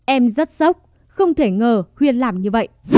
em rất sốc không thể ngờ khuyên làm như vậy